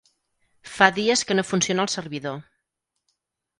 Fa dies que no funciona el servidor.